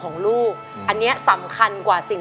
คุณแม่รู้สึกยังไงในตัวของกุ้งอิงบ้าง